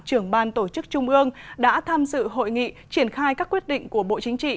trưởng ban tổ chức trung ương đã tham dự hội nghị triển khai các quyết định của bộ chính trị